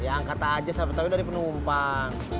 ya angkat aja siapa tau ini dari penumpang